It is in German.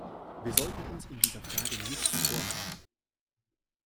Wir sollten uns in dieser Frage nichts vormachen.